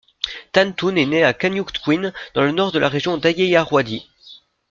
Than Tun est né à Kanyutkwin, dans le nord de la Région d'Ayeyarwady.